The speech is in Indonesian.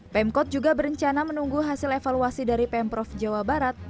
pemkot juga berencana menunggu hasil evaluasi dari pemprov jawa barat